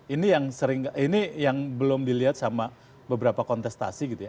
ini yang sering ini yang belum dilihat sama beberapa kontestasi gitu ya